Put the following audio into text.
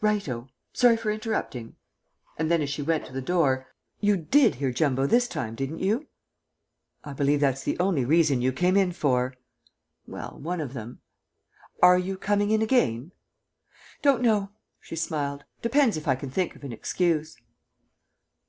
"Right o. Sorry for interrupting." And then as she went to the door, "You did hear Jumbo this time, didn't you?" "I believe that's the only reason you came in for." "Well, one of them." "Are you coming in again?" "Don't know," she smiled. "Depends if I can think of an excuse."